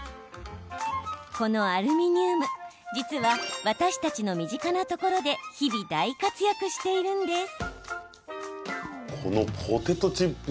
このアルミニウム実は、私たちの身近なところで日々、大活躍しているんです。